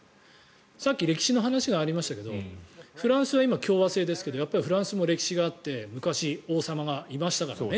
さっき歴史の話がありましたけどフランスは今、共和制ですけどフランスも歴史があって昔、王様がいましたからね。